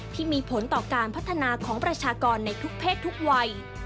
ที่มีผลต่อการพัฒนาของประชากรในทุกเพศทุกวัย